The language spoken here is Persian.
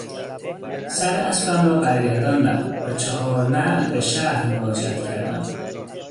سر اسبم را برگرداندم و چهار نعل به شهر مراجعت کردم.